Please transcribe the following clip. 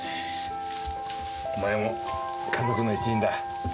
お前も家族の一員だ。